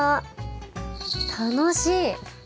楽しい！